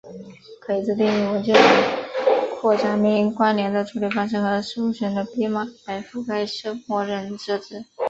可以自定义文件扩展名关联的处理方式和首选的编码来覆盖默认设置。